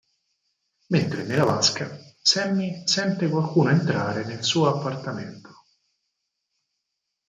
Mentre è nella vasca Sammy sente qualcuno entrare nel suo appartamento.